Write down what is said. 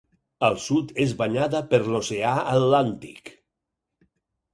Al sud és banyada per l'Oceà Atlàntic.